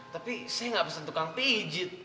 tapi saya gak pesen tukang pijit